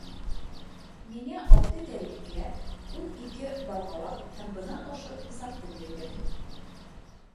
Миңә алты тәрилкә, ун ике балғалаҡ һәм бына ошо бысаҡты бирегеҙ.